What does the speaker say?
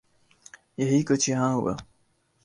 یہی کچھ یہاں ہوا۔